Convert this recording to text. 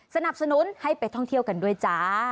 สนับสนุนให้ไปท่องเที่ยวกันด้วยจ้า